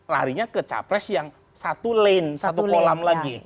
larinya ke capres yang satu lane satu kolam lagi